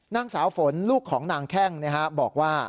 นางสาวฝนลูกของนางแข้งบอกว่า